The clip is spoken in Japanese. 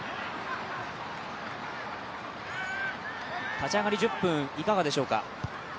立ち上がり１０分いかがでしょうか？